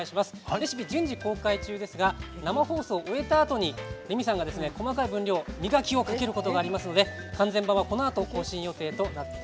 レシピ、順次公開中ですが生放送終えた後にレミさんが細かい分量磨きをかけることがありますので完全版はこのあと更新予定です。